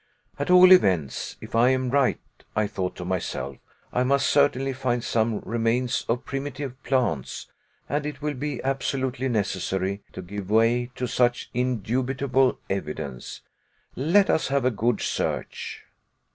"At all events, if I am right," I thought to myself, "I must certainly find some remains of primitive plants, and it will be absolutely necessary to give way to such indubitable evidence. Let us have a good search."